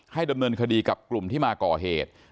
ดำเนินคดีกับกลุ่มที่มาก่อเหตุ